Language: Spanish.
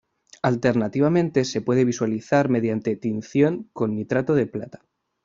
Alternativamente, se puede visualizar mediante tinción con nitrato de plata.